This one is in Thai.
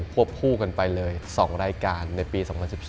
วบคู่กันไปเลย๒รายการในปี๒๐๑๔